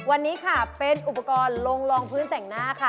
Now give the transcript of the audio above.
วันนี้ค่ะเป็นอุปกรณ์ลงลองพื้นแต่งหน้าค่ะ